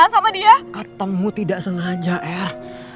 sama dia ketemu tidak sengaja r